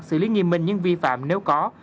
xử lý nghiêm minh nhưng vi phạm nếu có